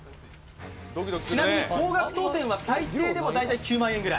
ちなみに高額当選は最低でも大体９万円ぐらい。